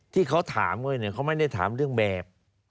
ที่เขาถามเขาเนี่ยเขาไม่ได้ถามเรื่องแบบ